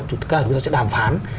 cái nào chúng ta sẽ đàm phán